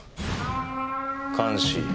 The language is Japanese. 監視